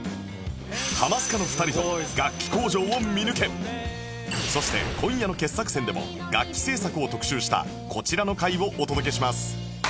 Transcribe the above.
ハマスカの２人とそして今夜の傑作選でも楽器製作を特集したこちらの回をお届けします